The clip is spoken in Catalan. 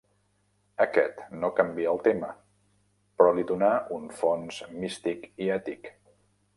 Aquest no canvià el tema, però li donà un fons místic i ètic.